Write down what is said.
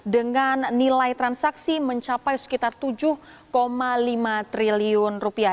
dengan nilai transaksi mencapai sekitar tujuh lima triliun rupiah